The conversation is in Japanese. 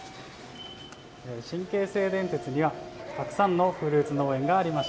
新京成電鉄にはたくさんのフルーツ農園があります。